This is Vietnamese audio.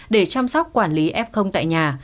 để chăm sóc quản lý f tại nhà